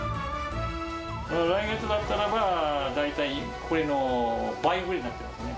来月だったらば、大体これの倍ぐらいになってますね。